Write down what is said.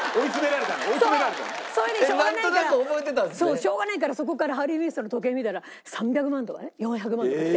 しょうがないからそこからハリー・ウィンストンの時計見たら３００万とかね４００万とかして。